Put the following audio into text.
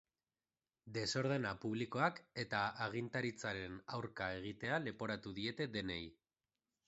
Desordena publikoak eta agintaritzaren aurka egitea leporatu diete denei.